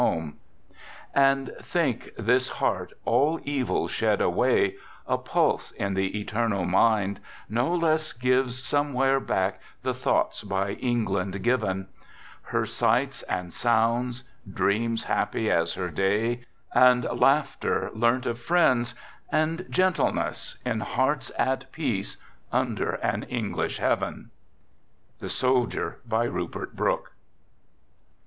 The Soldier. {Letter of Dixon Scott) THE GOOD SOLDIER" 71 'And think, this heart, all evil shed away, 1 A pulse in the eternal mind, no less » Gives somewhere back the thoughts by England given ; t Her sights and sounds ; dreams happy as her day ; I And laughter, learnt of friends; and gentleness, In hearts at peace, under an English heaven. {—" The Soldier," by Rupert Brooke.